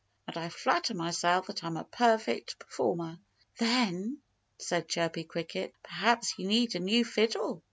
And I flatter myself that I'm a perfect performer." "Then," said Chirpy Cricket, "perhaps you need a new fiddle.